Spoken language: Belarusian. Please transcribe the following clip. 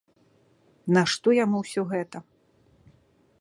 Нашто яму ўсё гэта?